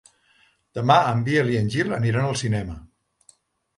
Demà en Biel i en Gil aniran al cinema.